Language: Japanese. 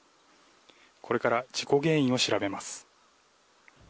これから、事故原因を調べます。